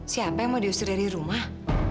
siapa yang mau diusir dari rumah